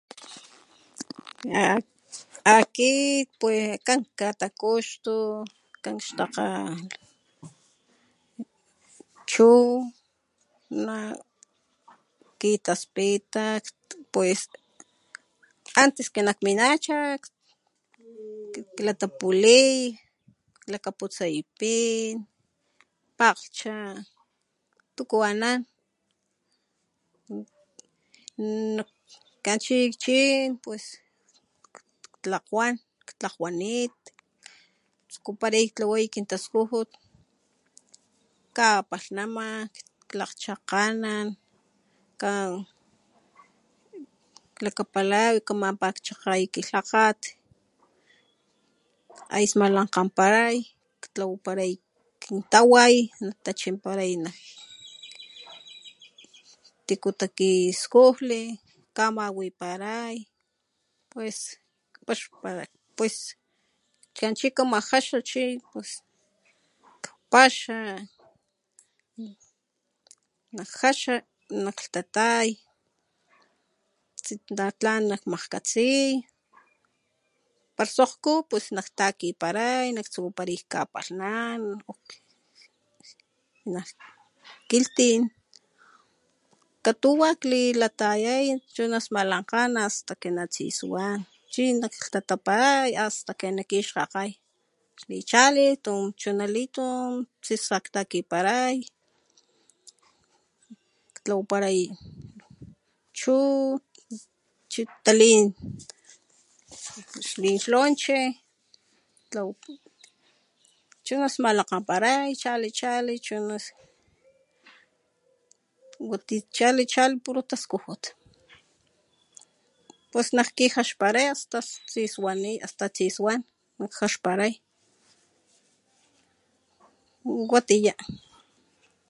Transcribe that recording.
Akit pue kan katakuxtu kan xtakga chuw nak kitaspita pues antes que nak minacha klatapuli klakaputsay pin, pakglhcha tuku anan akxni kchin pues ktlakgwan ktlakgkuanit tsukupalay tlaway kintaskujut kapalhnama klakgchakg'anan kan klakapalay kamapa chakgay ki lhakgat ay smalankganparay tlawaparay kin taway natachimparay tiku takiskujli kamawiparay pues paxpara pues chunchi kamajaxa chi pues kpaxa nak jaxa nak lhtatay tsina tlan nakmajkgatsi para sokgku nak takiparay tsukuparay kapalhnan nak kilhtin katuwa klilatayay chuna smalankgan hasta que natsiswan chi naklhtataparay hasta que na kixkgakgay xlichali chunalitun tsisa ktakiparay ktlawaparay chi talin xlonche chu smalankgaparay chali chali watiya chali chali puro taskujut pues nak kijaxparay asta tsiswan nak jaxparay watiya.